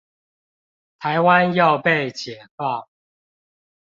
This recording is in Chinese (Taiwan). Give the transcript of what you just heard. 台灣要被解放